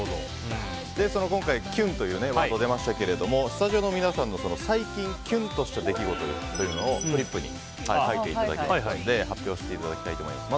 今回、キュンというワードが出ましたけどスタジオの皆さんの最近、キュンとした出来事をフリップに書いていただきましたので発表していただきたいと思います。